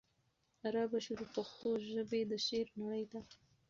را به شو د پښتو ژبي د شعر نړۍ ته